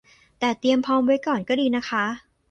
แต่เตรียมพร้อมไว้ก่อนก็ดีนะคะ